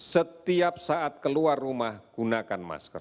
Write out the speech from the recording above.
setiap saat keluar rumah gunakan masker